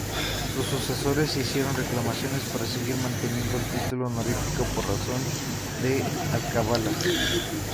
Sus sucesores hicieron reclamaciones para seguir manteniendo el título honorífico por razón de alcabalas.